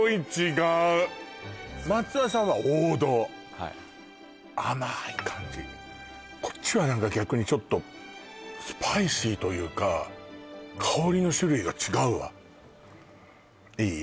松輪さんは王道甘い感じこっちは何か逆にちょっとというか香りの種類が違うわいい？